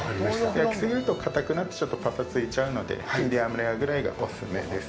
焼き過ぎると、かたくなってぱさついちゃうのでミディアムレアぐらいがお勧めです。